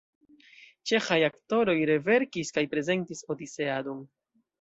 Ĉeĥaj aktoroj reverkis kaj prezentis Odiseadon.